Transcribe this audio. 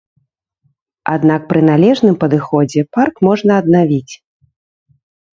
Аднак пры належным падыходзе парк можна аднавіць.